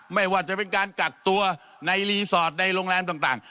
ไม่ว่าจะเป็นการกักตัวในรีสอร์ทในโรงแรมต่าง